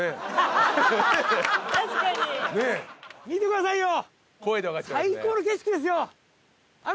・見てくださいよ。